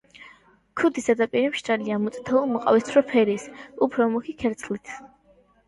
ქუდის ზედაპირი მშრალია, მოწითალო-მოყავისფრო ფერის, უფრო მუქი ქერცლით.